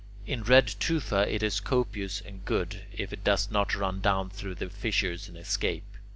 In red tufa it is copious and good, if it does not run down through the fissures and escape.